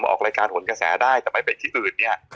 มาออกรายการหลวนกระแสได้แต่ไปที่อื่น